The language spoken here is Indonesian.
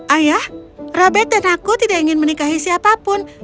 ayah robert dan aku tidak ingin menikahi siapapun